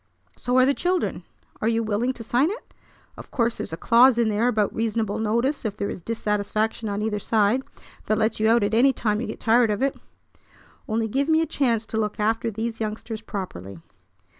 So are the children. Are you willing to sign it? Of course there's a clause in there about reasonable notice if there is dissatisfaction on either side; that lets you out at any time you get tired of it. Only give me a chance to look after these youngsters properly."